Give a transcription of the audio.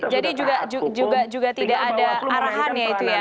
jadi juga tidak ada arahan ya itu ya